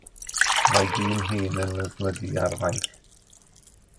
Mae dyn hŷn yn ysmygu ar fainc.